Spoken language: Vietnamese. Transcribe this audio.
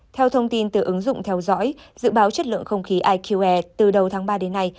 theo thông tin từ ứng dụng theo dõi dự báo chất lượng không khí iqe từ đầu tháng ba đến nay